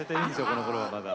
このころはまだ。